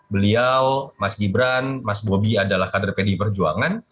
beliau mas gibran mas bobi adalah kader pdi perjuangan